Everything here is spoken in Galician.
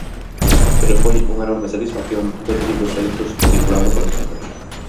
Pero foi unha enorme satisfacción ver os libros feitos e circulando polos centros.